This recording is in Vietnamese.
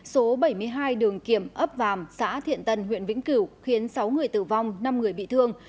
số bảy mươi hai đường kiểm ấp vàm xã thiện tân huyện vĩnh cửu khiến sáu người tử vong năm người bị thương